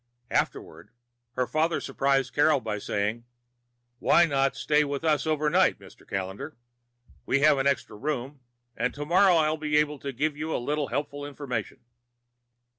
Afterward, her father surprised Carol by saying, "Why not stay with us overnight, Mr. Callendar? We have an extra room, and tomorrow I may be able to give you a little helpful information."